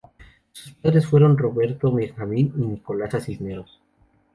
Sus padres fueron Roberto Benjamín y de Nicolasa Cisneros.